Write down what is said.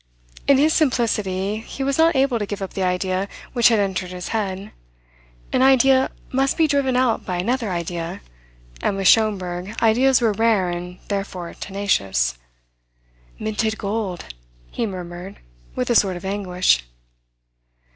In his simplicity he was not able to give up the idea which had entered his head. An idea must be driven out by another idea, and with Schomberg ideas were rare and therefore tenacious. "Minted gold," he murmured with a sort of anguish.